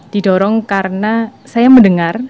didorong karena saya mendengar